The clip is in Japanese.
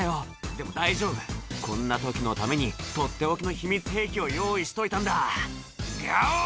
「でも大丈夫こんな時のためにとっておきの秘密兵器を用意しといたんだガオ！」